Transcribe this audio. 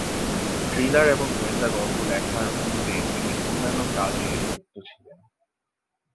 Thriller এবং গোয়েন্দা গল্প লেখার পূর্বে তিনি অন্যান্য কাজে যুক্ত ছিলেন।